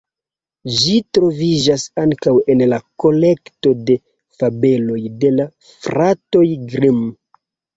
Ĝi troviĝas ankaŭ en la kolekto de fabeloj de la fratoj Grimm.